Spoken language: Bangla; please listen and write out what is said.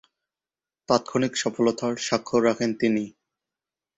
তাৎক্ষণিক সফলতার স্বাক্ষর রাখেন তিনি।